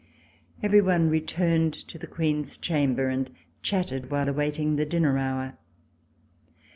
Every one returned to the Queen's chamber and chatted while awaiting the dinner hour.